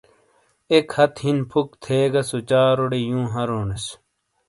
ایک ہتھ ہن فک تھے گہ سوچاروڑے یوں ہرونس۔